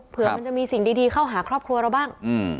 เผื่อมันจะมีสิ่งดีเข้าหาครอบครัวเราบ้าง